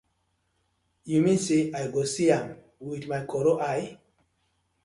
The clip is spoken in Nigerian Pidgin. Yu mean say I go see am wit my koro eye?